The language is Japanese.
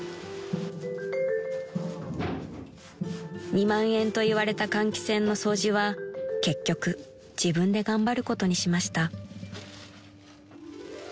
［２万円と言われた換気扇の掃除は結局自分で頑張ることにしました］